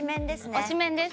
推しメンです。